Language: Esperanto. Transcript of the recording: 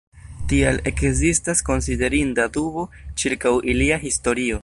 Tial ekzistas konsiderinda dubo ĉirkaŭ ilia historio.